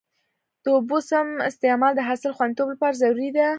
د اوبو سم استعمال د حاصل خوندیتوب لپاره ضروري دی.